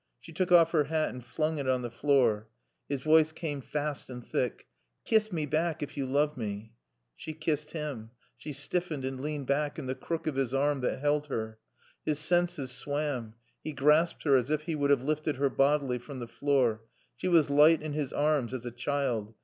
She took off her hat and flung it on the floor. His voice came fast and thick. "Kiss mae back ef yo loove mae." She kissed him. She stiffened and leaned back in the crook of his arm that held her. His senses swam. He grasped her as if he would have lifted her bodily from the floor. She was light in his arms as a child.